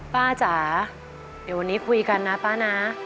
ป้าจ๋าเดี๋ยววันนี้คุยกันนะป้านะ